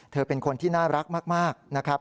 เธอเป็นคนที่น่ารักมากนะครับ